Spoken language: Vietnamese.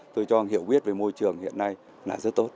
tôi cho hiểu biết về môi trường hiện nay là rất tốt